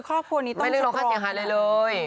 คือครอบครัวนี้ต้องจับร้องไม่ได้ร้องฆ่าเสียงฮันเลยเลย